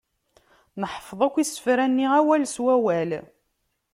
Neḥfeḍ akk isefra-nni awal s wawal.